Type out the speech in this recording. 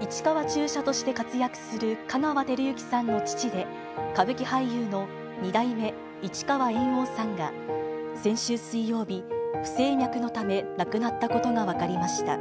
市川中車として活躍する香川照之さんの父で、歌舞伎俳優の二代目市川猿翁さんが先週水曜日、不整脈のため亡くなったことが分かりました。